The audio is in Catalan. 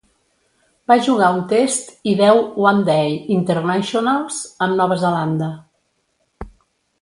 Va jugar un test i deu One Day Internationals amb Nova Zelanda.